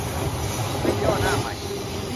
ขึ้นย่อหน้าใหม่